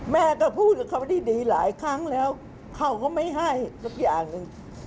แม่ก็พูดกับเขาดีหลายครั้งแล้วเขาก็ไม่ให้สักอย่างหนึ่ง